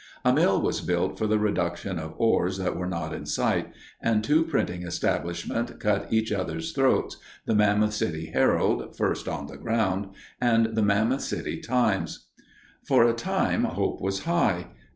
A mill was built for the reduction of ores that were not in sight, and two printing establishments cut each other's throats, the Mammoth City Herald, first on the ground, and the Mammoth City Times. For a time hope was high.